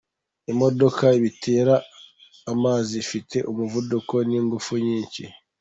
Ibimodoka bitera amazi afite umuvuduko n’ingufu nyinshi,